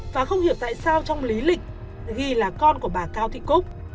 và không hiểu tại sao trong lý lịch ghi là con của bà cao thị cúc